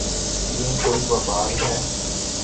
یہ کوئی وبال ہے۔